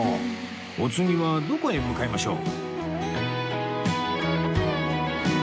お次はどこへ向かいましょう？